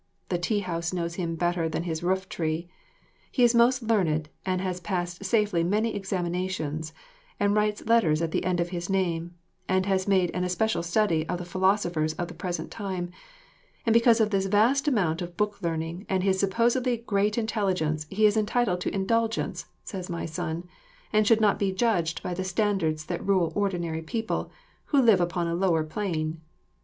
The tea house knows him better than his rooftree. He is most learned and has passed safely many examinations, and writes letters at the end of his name, and has made an especial study of the philosophers of the present time; and because of this vast amount of book learning and his supposedly great intelligence he is entitled to indulgence, says my son, and should not be judged by the standards that rule ordinary people, who live upon a lower plane.